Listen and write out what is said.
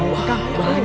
jangan kurang ajar kalian